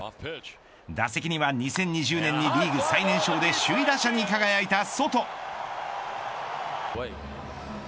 打席には、２０２０年にリーグ最年少で首位打者に輝いたソト